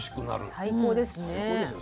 最高ですね。